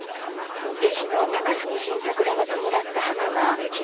弟子の高杉晋作らが弔った墓が起源です。